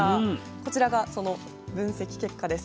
こちらがその分析結果です。